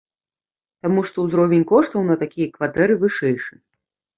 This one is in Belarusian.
Таму што ўзровень коштаў на такія кватэры вышэйшы.